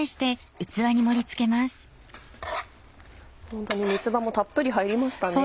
ホントに三つ葉もたっぷり入りましたね。